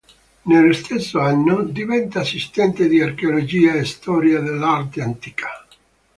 Nello stesso anno diventa assistente di Archeologia e Storia dell'Arte Antica.